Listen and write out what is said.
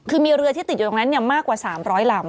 คือมีเรือที่ติดอยู่ตรงนั้นมากกว่า๓๐๐ลำ